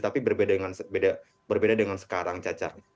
tapi berbeda dengan sekarang cacarnya